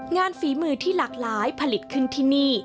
ฝีมือที่หลากหลายผลิตขึ้นที่นี่